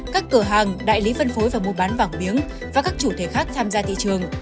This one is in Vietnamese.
các cửa hàng đại lý phân phối và mua bán vàng miếng và các chủ thể khác tham gia thị trường